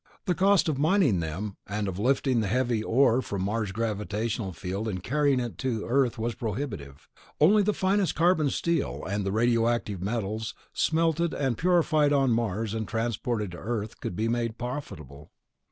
The cost of mining them, and of lifting the heavy ore from Mars' gravitational field and carrying it to Earth was prohibitive. Only the finest carbon steel, and the radioactive metals, smelted and purified on Mars and transported to Earth, could be made profitable.